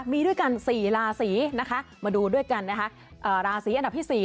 มีด้วยกัน๔ราศีนะคะมาดูด้วยกันนะคะราศีอันดับที่๔